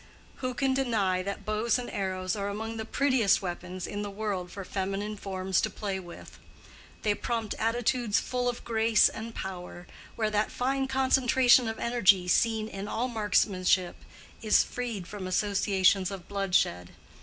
Who can deny that bows and arrows are among the prettiest weapons in the world for feminine forms to play with? They prompt attitudes full of grace and power, where that fine concentration of energy seen in all markmanship, is freed from associations of bloodshed.